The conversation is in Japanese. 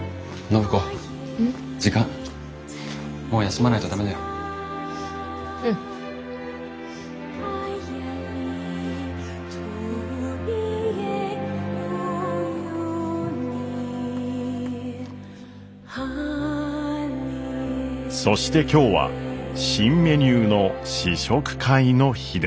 そして今日は新メニューの試食会の日です。